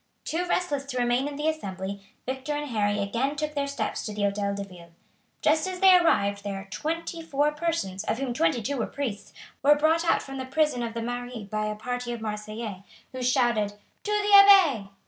Too restless to remain in the Assembly, Victor and Harry again took their steps to the Hotel de Ville. Just as they arrived there twenty four persons, of whom twenty two were priests, were brought out from the prison of the Maine by a party of Marseillais, who shouted, "To the Abbaye!"